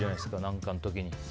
何かの時に。